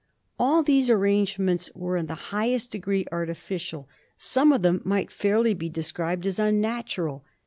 All these arrangements were in the highest degree artificial ; some of them might fairly be described as mmatural.